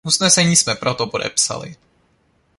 Usnesení jsme proto podepsali.